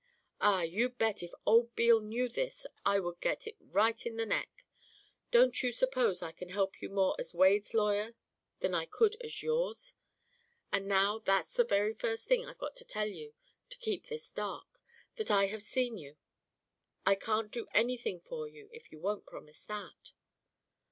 Ah, you bet, if old Beale knew this I would get it right in the neck. Don't you suppose I can help you more as Wade's lawyer than I could as yours? And now that's the very first thing I've got to tell you to keep this dark, that I have seen you. I can't do anything for you if you don't promise that."